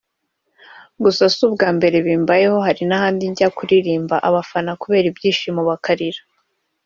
gusa si ubwa mbere bimbayeho hari n’ahandi njya kuririmba abafana kubera ibyishimo bakarira